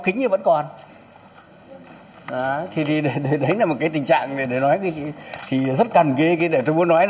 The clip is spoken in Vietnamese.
xây dựng tầm tầm